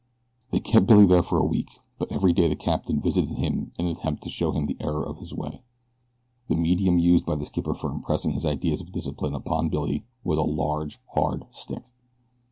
They kept Billy there for a week; but every day the captain visited him in an attempt to show him the error of his way. The medium used by the skipper for impressing his ideas of discipline upon Billy was a large, hard stick.